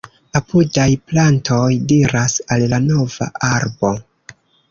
Apudaj plantoj diras al la nova arbo: